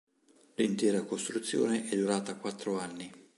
L'intera costruzione è durata quattro anni.